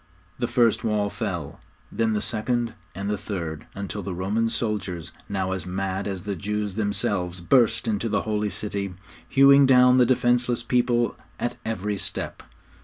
The first wall fell, then the second and the third, until the Roman soldiers, now as mad as the Jews themselves, burst into the Holy City, hewing down the defenceless people at every step.